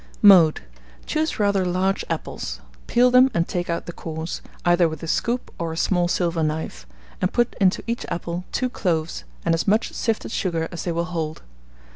Mode. Choose rather large apples; peel them and take out the cores, either with a scoop or a small silver knife, and put into each apple 2 cloves and as much sifted sugar as they will hold.